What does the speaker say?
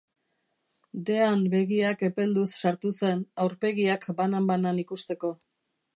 Dean begiak epelduz sartu zen, aurpegiak banan-banan ikusteko.